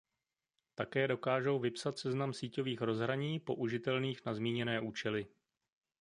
Také dokážou vypsat seznam síťových rozhraní použitelných na zmíněné účely.